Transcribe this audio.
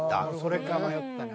それか迷ったな。